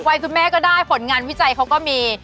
คุณแม่ก็ได้ผลงานวิจัยเขาก็มี